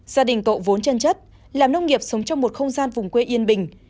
gia đình cậu vốn chân chất làm nông nghiệp sống trong một không gian vùng quê yên bình